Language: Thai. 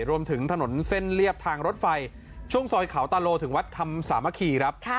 รวมถึงถนนเส้นเรียบทางรถไฟช่วงซอยเขาตาโลถึงวัดธรรมสามัคคีครับ